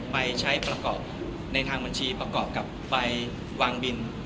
ไปใช้ประกอบในทางบัญชีประกอบกับไปวางบิน